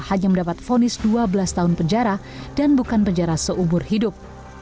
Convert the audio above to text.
hanya mendapat fonis dua belas tahun penjara dan bukan penjara seumur hidup